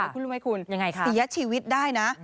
คุณรู้ไหมคุณเสียชีวิตได้นะ